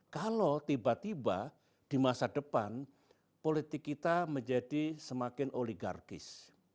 kalau tiba tiba di masa depan politik kita menjadi semakin oligarkis